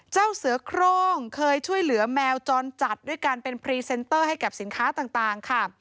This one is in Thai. เจ้าเสือโครงเคยช่วยเหลือแมวจรจัดด้วยการเป็นพรีเซนเตอร์ให้กับสินค้าต่างค่ะ